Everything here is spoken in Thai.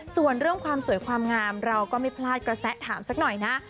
ส่วนเรื่องความสวยความงามเราก็ไม่พลาดกระแสถามสักหน่อยนะ